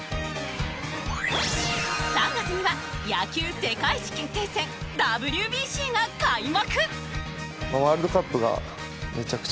３月には野球世界一決定戦ＷＢＣが開幕。